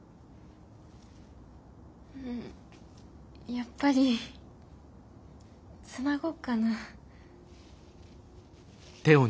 やっぱりつなごっかな。